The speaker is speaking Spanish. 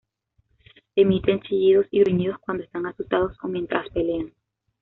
Emiten chillidos y gruñidos cuando están asustados o mientras pelean.